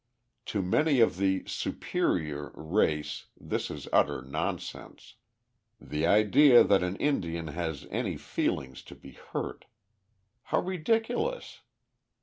To many of the superior (!) race this is utter nonsense. The idea that an Indian has any feelings to be hurt! How ridiculous!